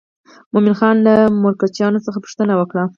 مومن خان له مرکچیانو څخه پوښتنه وکړه.